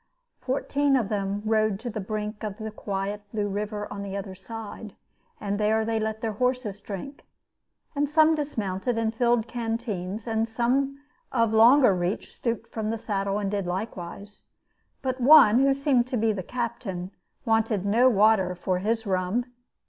Fourteen of them rode to the brink of the quiet blue river on the other side; and there they let their horses drink, and some dismounted and filled canteens, and some of longer reach stooped from the saddle and did likewise. But one, who seemed to be the captain, wanted no water for his rum.